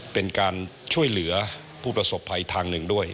เป็นการช่วยเหลือผู้ประสบภัยทางหนึ่งด้วย